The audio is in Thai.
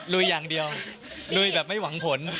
ลุยอย่างเดียวลุยแบบไม่หวังผล